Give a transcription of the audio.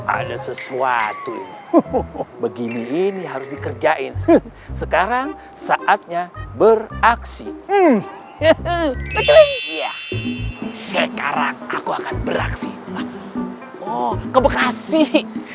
ada sesuatu begini ini harus dikerjain sekarang saatnya beraksi sekarang aku akan beraksi oh